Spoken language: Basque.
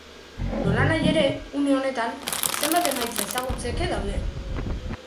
Nolanahi ere, une honetan, zenbait emaitza ezagutzeke daude.